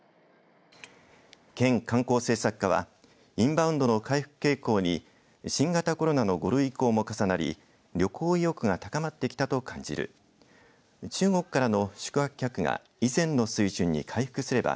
県観光政策課はインバウンドの回復傾向に新型コロナの５類移行も重なり旅行意欲が高まってきたと感じる中国からの宿泊客が以前の水準に回復すれば